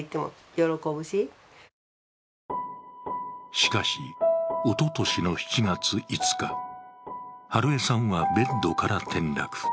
しかし、おととしの７月５日、美枝さんはベッドから転落。